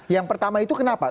yang pertama itu kenapa